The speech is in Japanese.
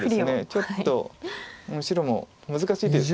ちょっと白も難しい手です